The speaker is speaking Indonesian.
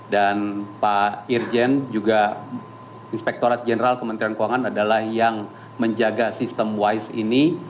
dan pak irjen juga inspektorat general kementerian keuangan adalah yang menjaga sistem wise ini